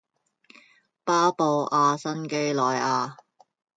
巴布亞新畿內亞